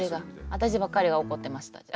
私ばっかりが怒ってました。